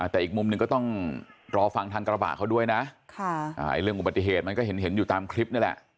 แต่อีกมุมหนึ่งก็ต้องรอฟังทางกระบะเขาด้วยนะเรื่องอุบัติเหตุมันก็เห็นอยู่ตามคลิปนี่แหละ